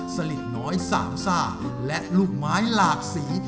สลิดน้อยสามซ่าและลูกไม้หลากสี